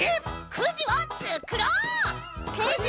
くじをつくろう！